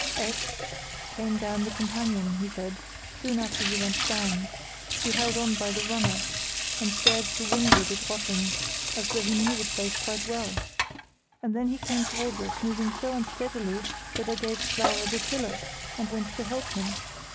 "X—— came up the companion," he says, "soon after you went down. He held on by the runner, and stared to windward at Rottum, as though he knew the place quite well. And then he came towards us, moving so unsteadily that I gave Clara the tiller, and went to help him.